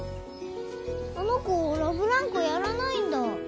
あの子ラブランコやらないんだ。